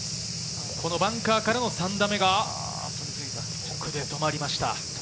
バンカーからの３打目が奥で止まりました。